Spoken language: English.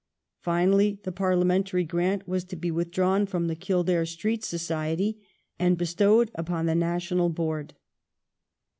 Finally, the parliamentary grant was to be withdrawn from the Kildare Street Society and bestowed upon the National Board.